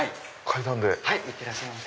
いってらっしゃいませ。